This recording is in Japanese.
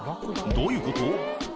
どういうこと？